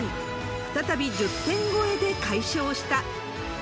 再び１０点超えで快勝した。